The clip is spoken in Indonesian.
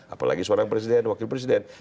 apalagi seorang presiden dan wakil presiden